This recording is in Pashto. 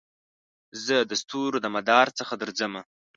زه دستورو دمدار څخه درځمه